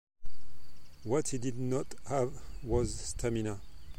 What he did not have was stamina.